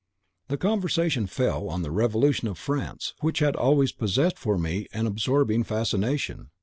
The conversation fell on the Revolution of France, which had always possessed for me an absorbing fascination.